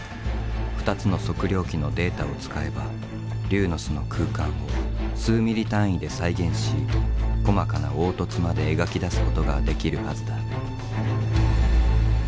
２つの測量機のデータを使えば龍の巣の空間を数ミリ単位で再現し細かな凹凸まで描き出すことができるはずだ。